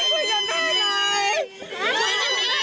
เฮ้ยได้รับหนูนะ